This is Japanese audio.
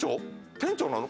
店長なの？